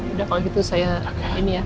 udah kalau gitu saya ini ya